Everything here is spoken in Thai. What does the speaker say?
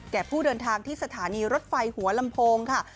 ผู้เดินทางที่สถานีรถไฟหัวลำโพงค่ะ